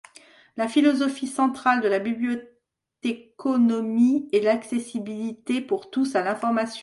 La philosophie centrale de la bibliothéconomie est l’accessibilité pour tous à l’information.